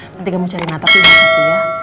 nanti kamu cari mata yang lebih hati ya